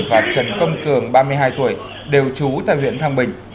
và trần công cường ba mươi hai tuổi đều trú tại huyện thăng bình